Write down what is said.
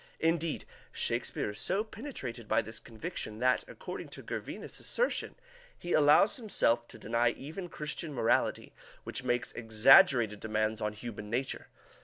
Indeed, Shakespeare is so penetrated by this conviction that, according to Gervinus's assertion, he allows himself to deny even Christian morality, which makes exaggerated demands on human nature.